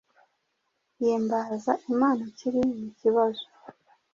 Himbaza Imana ukiri mu kibazo.